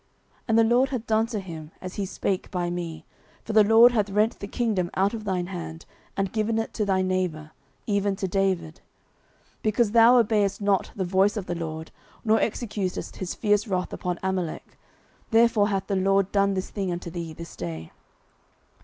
09:028:017 And the LORD hath done to him, as he spake by me: for the LORD hath rent the kingdom out of thine hand, and given it to thy neighbour, even to David: 09:028:018 Because thou obeyedst not the voice of the LORD, nor executedst his fierce wrath upon Amalek, therefore hath the LORD done this thing unto thee this day.